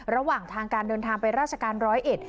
ระหว่างทางการเดินทางไปราชการร้อยเอ็ด